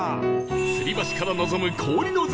吊り橋から望む氷の絶景